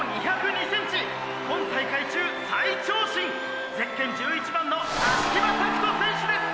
今大会中最長身ゼッケン１１番の葦木場拓斗選手です！